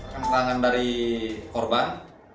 tangan tangan dari korban